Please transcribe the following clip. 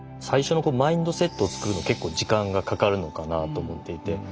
最初のマインドセットを作るの結構時間がかかるのかなと思っていて。